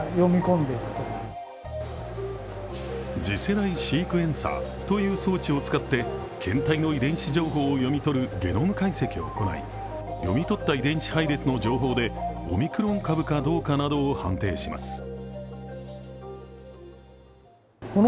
次世代シークエンサーという装置を使って検体の遺伝子情報を読み取るゲノム解析を行い読み取った遺伝子配列の情報でオミクロン株かどうかなどを判定します。